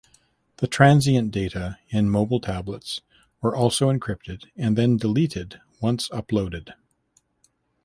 The transient data in mobile tablets were also encrypted and then deleted once uploaded.